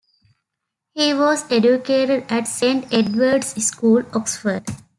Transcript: He was educated at Saint Edward's School, Oxford.